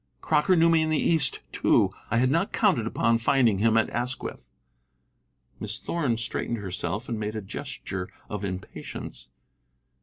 "Crocker knew me in the East, too. I had not counted upon finding him at Asquith." Miss Thorn straightened herself and made a gesture of impatience.